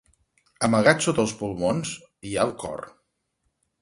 Amagat sota els pulmons, hi ha el cor.